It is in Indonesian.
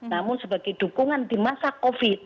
namun sebagai dukungan di masa covid